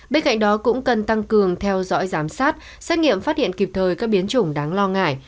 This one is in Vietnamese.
bên cạnh đó cũng cần tăng cường theo dõi giám sát xét nghiệm phát hiện kịp thời các biến chủng đáng lo ngại